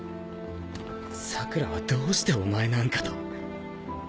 桜良はどうしてお前なんかと。